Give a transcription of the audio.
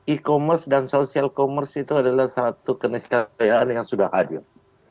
e commerce dan social commerce itu adalah satu keniscayaan yang sudah hadir